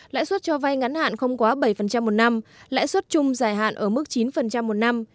lãi suất cho vay ngắn hạn không quá bảy một năm lãi suất chung giải hạn ở mức chín một năm